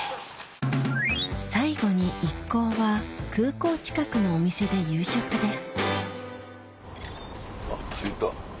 最後に一行は空港近くのお店で夕食ですあっ着いた。